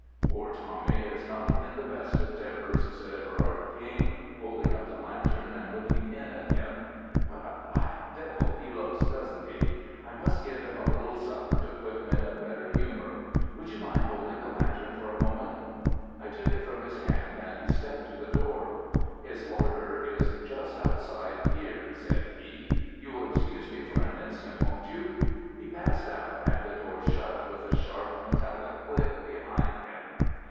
"Poor Tommy is not in the best of tempers," said Everard King, holding up the lantern and looking in at him. "What a black devil he looks, doesn't he? I must give him a little supper to put him in a better humour. Would you mind holding the lantern for a moment?" I took it from his hand and he stepped to the door. "His larder is just outside here," said he. "You will excuse me for an instant, won't you?" He passed out, and the door shut with a sharp metallic click behind him.